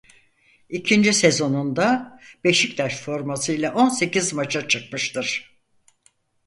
İkinci sezonunda Beşiktaş formasıyla on sekiz maça çıkmıştır.